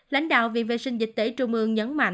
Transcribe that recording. lãnh đạo viện vệ sinh dịch tễ trung ương hà nội cho biết